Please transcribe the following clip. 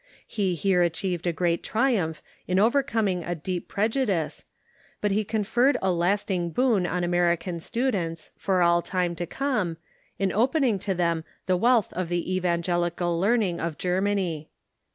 He here achieved a great triumph in overcoming a deep preju dice, but he conferred a lasting boon on American students, for all time to come, in opening to them the wealth of the evan gelical learning of Germany.